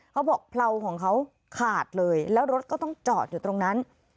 เขาบอกเผลาของเขาขาดเลยแล้วรถก็ต้องจอดอยู่ตรงนั้น